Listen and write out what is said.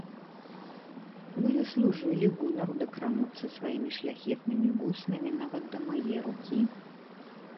Вы заслужылі гонару дакрануцца сваімі шляхетнымі вуснамі нават да мае рукі.